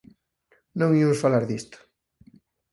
Non imos falar disto.